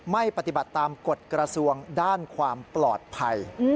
ไม่ปฏิบัติตามกฎกระทรวงด้านความปลอดภัย